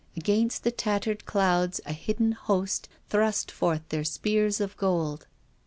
Against the tattered clouds a hidden host thrust forth their spears of gold.